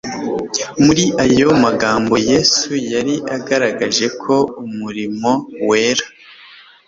Muri ayo magambo Yesu yari agaragaje ko umurimo wera